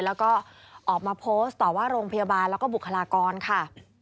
แล้วก็ออกมาโพสต์ต่อว่าโรงพยาบาลแล้วก็บุคลากรค่ะ